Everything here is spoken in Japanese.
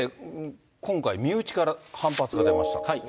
今回、身内から反発が出ました。